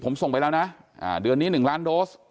ผมส่งไปแล้วนะเดือนนี้๑ล้านโดส